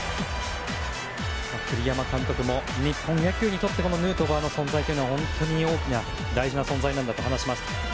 栗山監督も日本野球にとってヌートバーの存在は本当に大きな大事な存在だと話します。